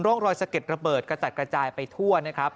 ร่องรอยสะเก็ดระเบิดกระจัดกระจายไปทั่วนะครับ